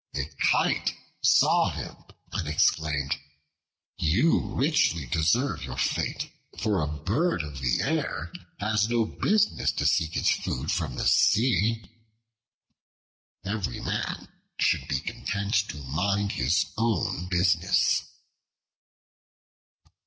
A Kite saw him and exclaimed: "You richly deserve your fate; for a bird of the air has no business to seek its food from the sea." Every man should be content to mind his own business.